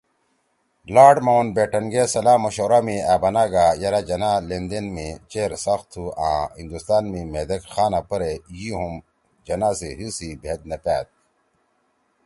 لارڈ ماؤنٹ بیٹن گے صلاح مشورہ می أ بنَا گا یرأ جناح لین دین می چیر سخت تُھو آں ”ہندوستان می مھیدیک خانا پرے یی ہُم جناح سی حی سی بھید نہ پأد“